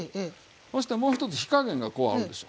ほしてもう一つ火加減がこうあるでしょ。